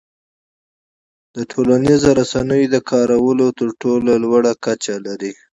د ټولنیزو رسنیو د کارولو تر ټولو لوړه کچه لري.